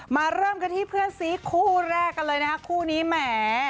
เริ่มกันที่เพื่อนซีคู่แรกกันเลยนะคะคู่นี้แหม